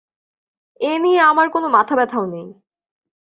এ নিয়ে আমার কোনো মাথাব্যথাও নেই।